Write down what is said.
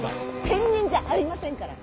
ペンギンじゃありませんから！